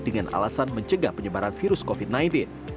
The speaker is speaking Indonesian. dengan alasan mencegah penyebaran virus covid sembilan belas